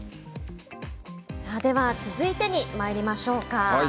では、続いてにまいりましょうか。